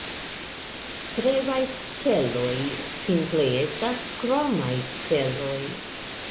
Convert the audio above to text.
Strebaj celoj simple estas kromaj celoj